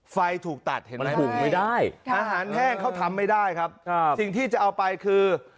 ไฟถูกตัดเห็นไหมถุงไม่ได้อาหารแห้งเขาทำไม่ได้ครับสิ่งที่จะเอาไปคือ